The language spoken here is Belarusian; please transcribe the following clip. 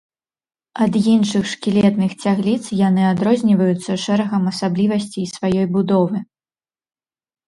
Ад іншых шкілетных цягліц яны адрозніваюцца шэрагам асаблівасцей сваёй будовы.